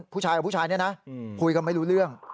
ผู้ชายกับผู้ชายเนี่ยนะคุยกันไม่รู้เรื่อง